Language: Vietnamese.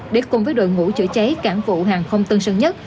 để cùng với đội ngũ chữa cháy cảng vụ hàng không tân sơn nhất